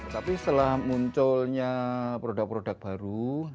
tapi setelah munculnya produk produk baru